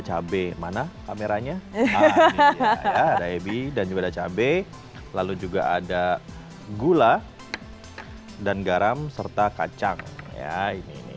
cabai mana kameranya ada ebi dan juga ada cabai lalu juga ada gula dan garam serta kacang ya ini